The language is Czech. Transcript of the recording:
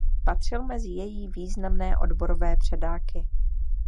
Patřil mezi její významné odborové předáky.